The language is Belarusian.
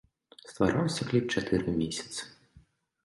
Ствараўся кліп чатыры месяцы.